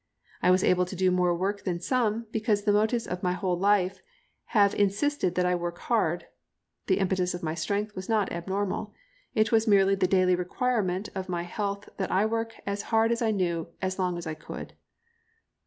I was able to do more work than some, because the motives of my whole life have insisted that I work hard. The impetus of my strength was not abnormal, it was merely the daily requirement of my health that I work as hard as I knew how as long as I could.